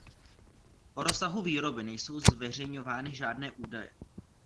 O rozsahu výroby nejsou zveřejňovány žádné údaje.